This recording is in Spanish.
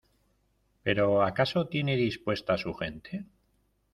¿ pero acaso tiene dispuesta su gente?